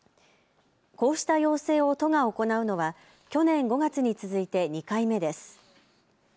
こうした要請を都が行うのは去年５月に続いて２回目です。